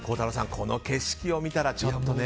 この景色を見たらちょっとね。